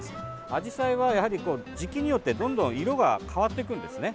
アジサイは、やはり時期によってどんどん色が変わっていくんですね。